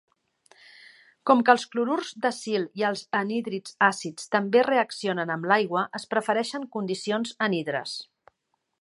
Com que els clorurs d'acil i els anhídrids àcids també reaccionen amb l'aigua, es prefereixen condicions anhidres.